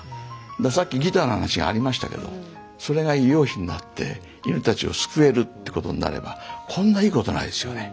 さっきギターの話がありましたけどそれが医療費になって犬たちを救えるってことになればこんないいことないですよね。